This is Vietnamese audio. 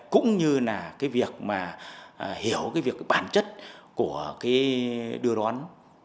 cũng như là hiểu việc bản chất của đưa đón